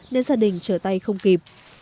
nên gia đình trở tay không kịp